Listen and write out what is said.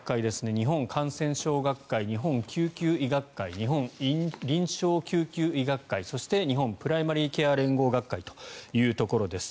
日本感染症学会日本救急医学会日本臨床救急医学会そして日本プライマリ・ケア連合学会というところです。